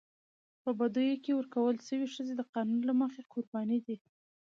په بدو کي ورکول سوي ښځي د قانون له مخي قرباني دي.